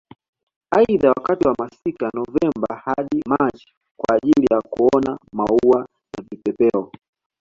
Aidha wakati wa masika Novemba hadi Machi kwa ajili ya kuona maua na vipepeo